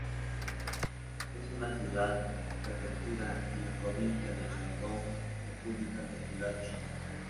Es una ciudad-prefectura en la provincia de Shandong, República Popular China.